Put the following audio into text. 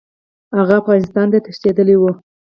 هغه افغانستان ته تښتېدلی وو.